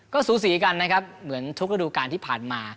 ก็สูสีกันนะครับเหมือนทุกระดูการที่ผ่านมา